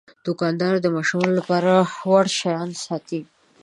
دوکاندار د ماشومانو لپاره وړ شیان ساتي.